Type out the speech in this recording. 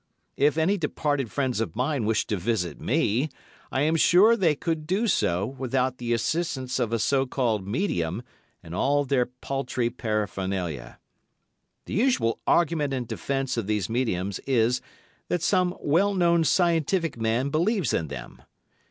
If any departed friends of mine wish to visit me, I am sure they could do so without the assistance of a so called medium and all their paltry paraphernalia. The usual argument in defence of these mediums is that some well known scientific man believes in them.